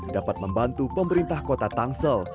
dapat membantu pemerintah kota tangsel